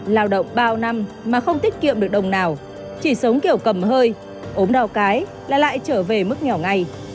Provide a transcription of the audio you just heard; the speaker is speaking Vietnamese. lao động bao năm mà không tiết kiệm được đồng nào chỉ sống kiểu cầm hơi ốm đau cái là lại trở về mức nhỏ ngày